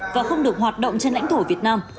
và không được hoạt động trên lãnh thổ việt nam